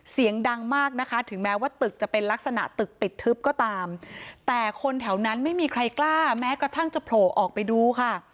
เสียงดังมากนะคะถึงแม้ว่าตึกจะเป็นลักษณะตึกปิดทึบก็ตามแต่คนแถวนั้นไม่มีใครกล้าแม้กระทั่งจะโผล่ออกไปดูค่ะ